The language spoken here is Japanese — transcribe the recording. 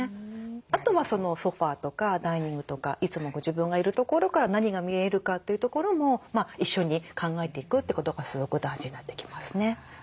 あとはソファーとかダイニングとかいつもご自分がいる所から何が見えるかというところも一緒に考えていくということがすごく大事になってきますね。